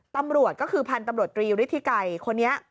ตำรวจก็คือพันธุ์ตำรวจตรีฤทธิไกรคนนี้